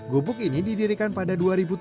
gubuk ini didirikan pada dua ribu tujuh belas